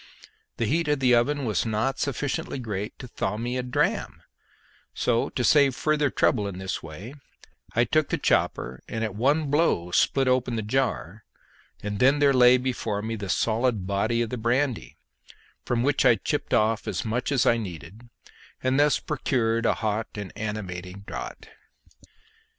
The heat of the oven was not sufficiently great to thaw me a dram; so to save further trouble in this way I took the chopper and at one blow split open the jar, and then there lay before me the solid body of the brandy, from which I chipped off as much as I needed, and thus procured a hot and animating draught.